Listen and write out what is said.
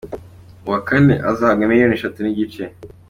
Uwa kane azahabwa miliyoni eshatu n’igice .